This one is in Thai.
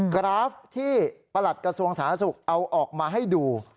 กราฟที่ประหลัดกระทรวงสาธารณสุขเอาออกมาให้ดู